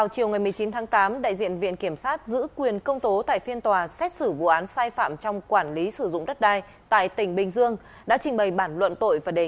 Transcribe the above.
cảm ơn các bạn đã theo dõi